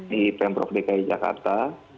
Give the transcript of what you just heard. di pemprov dki jakarta